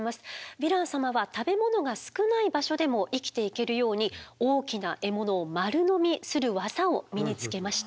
ヴィラン様は食べ物が少ない場所でも生きていけるように大きな獲物を丸のみする技を身につけました。